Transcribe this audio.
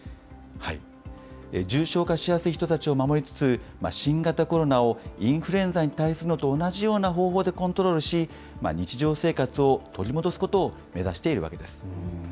重症化しやすい人たちを守りつつ、新型コロナをインフルエンザに対するのと同じような方法でコントロールし、日常生活を取り戻すことを目指しているわけです。